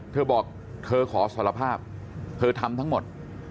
เธอบอกเธอขอสารภาพเธอทำทั้งหมด